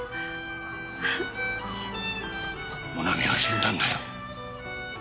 もなみは死んだんだよ。